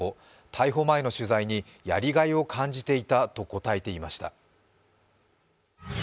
逮捕前の取材に、やりがいを感じていたと答えていました。